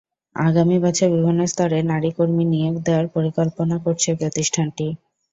আগামী বছর বিভিন্ন স্তরে নারী কর্মী নিয়োগ দেওয়ার পরিকল্পনা করছে প্রতিষ্ঠানটি।